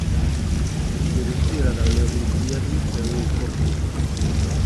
Si ritira dalle Olimpiadi per un infortunio.